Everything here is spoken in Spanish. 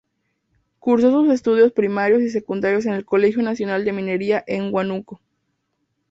Cursó sus estudios primarios y secundarios en el Colegio Nacional de Minería en Huánuco.